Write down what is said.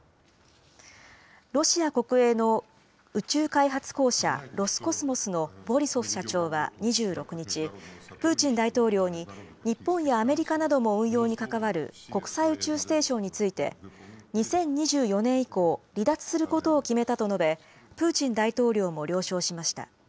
ロシア国営の宇宙開発公社、ロスコスモスのボリソフ社長は２６日、プーチン大統領に、日本やアメリカなども運用に関わる国際宇宙ステーションについて、２０２４年以降、離脱することを決めたと述べ、プーチン大統領も了承しました。